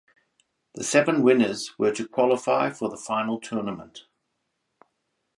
The seven winners were to qualify for the final tournament.